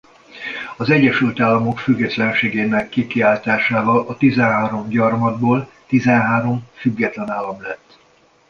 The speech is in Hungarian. Az Egyesült Államok függetlenségének kikiáltásával a tizenhárom gyarmatból tizenhárom független állam lett.